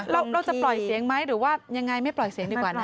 เราจะปล่อยเสียงไหมหรือว่ายังไงไม่ปล่อยเสียงดีกว่านะ